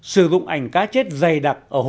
sử dụng ảnh cá chết dày đặc